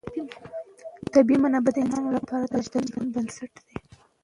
طبیعي منابع د انسانانو لپاره د ژوند بنسټ دی.